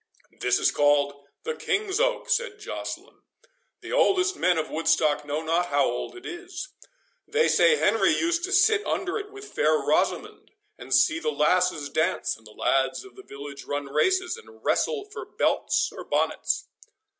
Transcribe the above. "That is called the King's Oak," said Joceline; "the oldest men of Woodstock know not how old it is; they say Henry used to sit under it with fair Rosamond, and see the lasses dance, and the lads of the village run races, and wrestle for belts or bonnets."